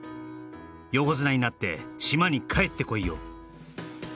「横綱になって島にかえってこいよ」